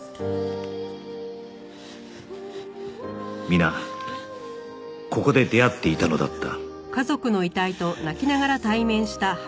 皆ここで出会っていたのだった